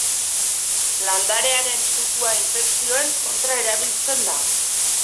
Landarearen zukua infekzioen kontra erabiltzen da.